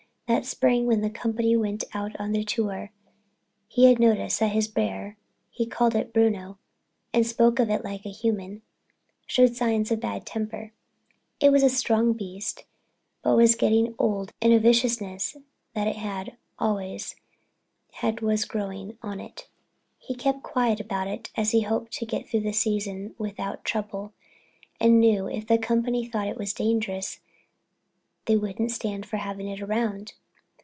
That spring, when the company went out on their tour, he had noticed that his bear (he called it Bruno and spoke of it like a human) showed signs of bad temper. It was a big strong beast, but was getting old and a viciousness that it had always had was growing on it. He kept quiet about it as he hoped to get through the season without trouble and knew, if the company thought it was dangerous, they wouldn't stand for having it around.